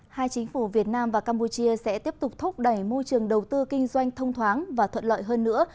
hai chính phủ việt nam và campuchia sẽ tiếp tục thúc đẩy môi trường đầu tư kinh doanh thông thoáng và thuận lợi hơn nữa